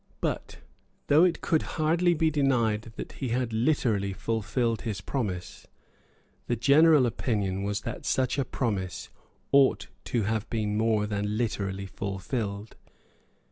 But, though it could hardly be denied that he had literally fulfilled his promise, the general opinion was that such a promise ought to have been more than literally fulfilled.